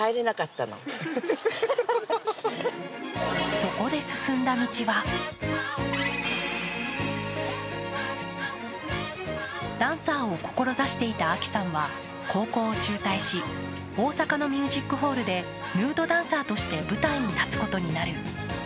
そこで進んだ道はダンサーを志していたあきさんは高校を中退し大阪のミュージックホールでヌードダンサーとして舞台に立つことになる。